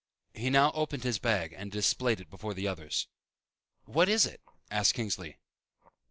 He now opened his bag and displayed it before the others. "What is it?" asked Kingsley.